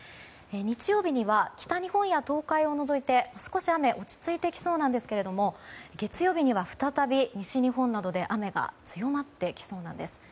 日曜日には北日本や東海を除いて少し雨落ち着いてきそうなんですが月曜日には再び西日本などで雨が強まってきそうなんです。